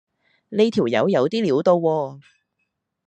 呢條友有啲料到喎